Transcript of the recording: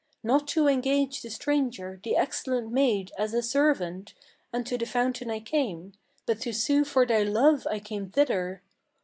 Not to engage the stranger, the excellent maid, as a servant, Unto the fountain I came; but to sue for thy love I came thither.